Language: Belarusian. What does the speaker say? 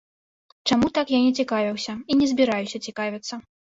Чаму так, я не цікавіўся і не збіраюся цікавіцца.